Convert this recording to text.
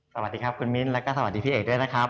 สวัสดีครับคุณมิ้นแล้วก็สวัสดีพี่เอกด้วยนะครับ